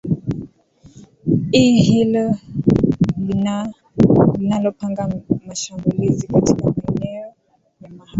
i hilo linalopanga mashambulizi katika maeneo ya mahakama